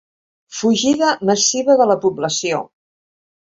Fugida massiva de la població.